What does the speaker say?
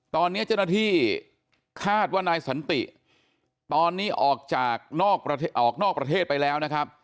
ตอนนี้เจ้าหน้าที่คาดว่านายสันติตอนนี้ออกจากออกนอกประเทศไปแล้วนะครับ